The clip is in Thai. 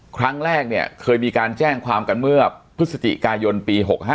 ครั้งแรกเนี่ยเคยมีการแจ้งความกันเมื่อพฤศจิกายนปี๖๕